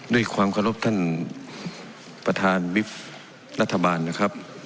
ด้วยความขอรบท่านประธานวิบรัฐบาลนะครับ